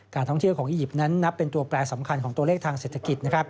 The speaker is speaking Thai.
ท่องเที่ยวของอียิปต์นั้นนับเป็นตัวแปรสำคัญของตัวเลขทางเศรษฐกิจ